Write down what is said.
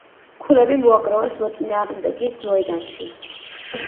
ქულები მოაგროვოს მოწინააღმდეგის მოედანში